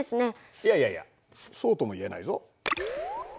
いやいやいやそうとも言えないぞ。